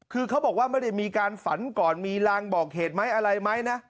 คือเขาบอกว่าไม่ได้มีการฝันก่อนมีรางบอกเหตุไหมอะไรไหมนะ